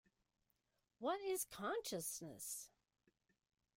What is consciousness?